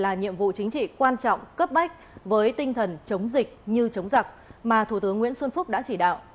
là nhiệm vụ chính trị quan trọng cấp bách với tinh thần chống dịch như chống giặc mà thủ tướng nguyễn xuân phúc đã chỉ đạo